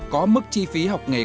có mức chi phí học nghề